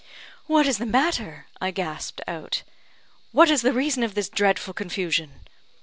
"What is the matter?" I gasped out. "What is the reason of this dreadful confusion?"